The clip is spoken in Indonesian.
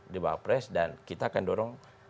di wapres dan kita akan dorong